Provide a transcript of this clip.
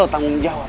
lo tak mau menjawab